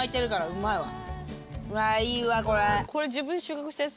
うわいいわこれ。